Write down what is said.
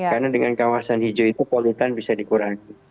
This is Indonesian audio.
karena dengan kawasan hijau itu polutan bisa dikurangi